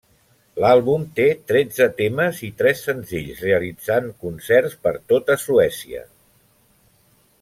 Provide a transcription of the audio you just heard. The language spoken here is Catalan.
L’àlbum té tretze temes i tres senzills, realitzant concerts per tota Suècia.